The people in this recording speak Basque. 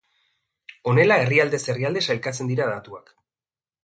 Honela herrialdez herrialde sailkatzen dira datuak.